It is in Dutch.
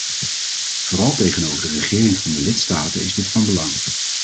Vooral tegenover de regeringen van de lidstaten is dit van belang.